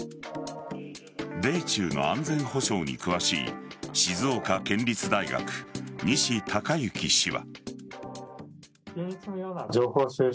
米中の安全保障に詳しい静岡県立大学西恭之氏は。